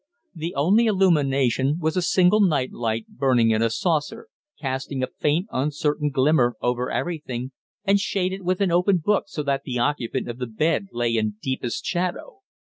The only illumination was a single night light burning in a saucer, casting a faint, uncertain glimmer over everything, and shaded with an open book so that the occupant of the bed lay in deepest shadow.